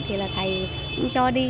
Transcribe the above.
thì là thầy cũng cho đi